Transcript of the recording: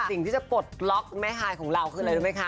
สิ่งที่จะปลดล็อกแม่ฮายของเราคืออะไรรู้ไหมคะ